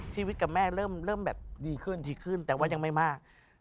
ชีวิตกับแม่เริ่มแบบดีขึ้นดีขึ้นแต่ว่ายังไม่มาก